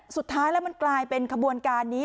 สุดท้ายแล้วมันกลายเป็นขบวนการนี้